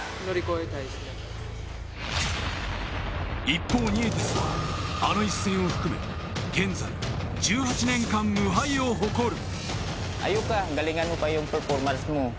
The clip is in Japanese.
一方、ニエテスはあの一戦を含め現在、１８年間、無敗を誇る。